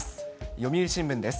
読売新聞です。